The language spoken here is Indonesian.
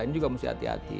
ini juga mesti hati hati